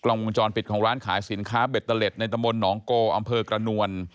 กล้องวงจรปิดของร้านขายสินค้าเบ็ดตะเล็ดในตะมนต์หนองโกอำเภอกระนวล